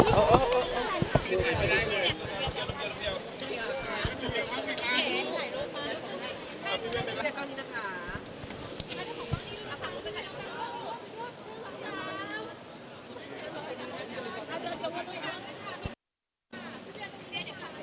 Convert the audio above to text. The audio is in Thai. ขอบคุณค่ะ